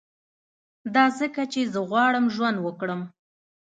دا ځکه چي زه غواړم ژوند وکړم